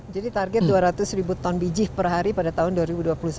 jadi target dua ratus ton bijih per hari pada tahun dua ribu dua puluh satu ya